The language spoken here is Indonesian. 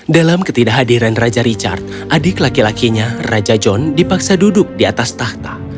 dalam ketidakhadiran raja richard adik laki lakinya raja john dipaksa duduk di atas tahta